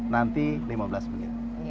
nanti lima belas menit